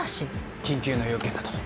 緊急の用件だと。